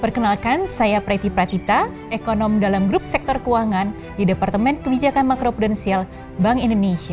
perkenalkan saya preti pratita ekonom dalam grup sektor keuangan di departemen kebijakan makro prudensial bank indonesia